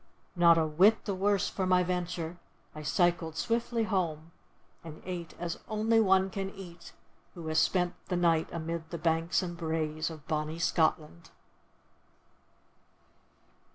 Not a whit the worse for my venture, I cycled swiftly home, and ate as only one can eat who has spent the night amid the banks and braes of bonnie Scotland.